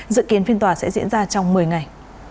dự kiến phiên tòa sẽ diễn ra trong một mươi ngày